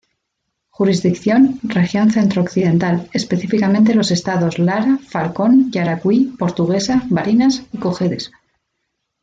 Jurisdicción: Región Centro-Occidental, específicamente los estados Lara, Falcón, Yaracuy, Portuguesa, Barinas y Cojedes.